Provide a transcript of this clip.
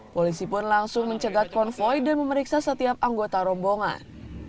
polisi pun langsung mencegat konvoy dan memeriksa setiap anggota rombongan